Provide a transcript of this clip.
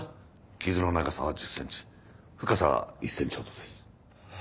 傷の長さは１０センチ深さは１センチほどです。